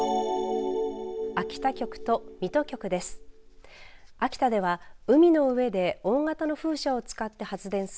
秋田局と水戸局です。